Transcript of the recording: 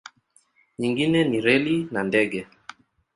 Nyingine ni reli na ndege.